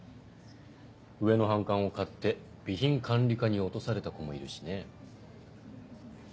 上の反感を買って備品管理課に落とされた子もいるしね。